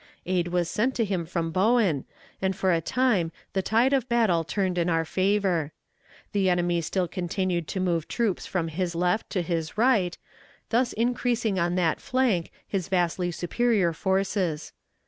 Aid was sent to him from Bowen, and for a time the tide of battle turned in our favor. The enemy still continued to move troops from his left to his right, thus increasing on that flank his vastly superior forces.